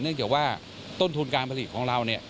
จากว่าต้นทุนการผลิตของเราเนี่ย